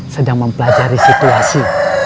sedang mempelajari situasi